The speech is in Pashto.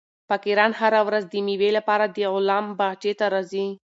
فقیران هره ورځ د مېوې لپاره د غلام باغچې ته راځي.